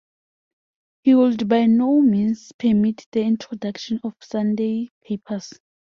He would by no means permit the introduction of Sunday papers.